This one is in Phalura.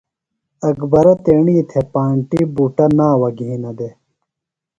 اکبرہ تیݨی تھےۡ پانٹیۡ بُٹہ ناوہ گِھینہ دےۡ۔